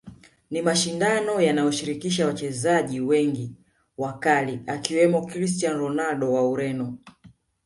Ni mashindano yanayoshirikisha wachezaji wengi wakali akiwemo Christiano Ronaldo wa Ureno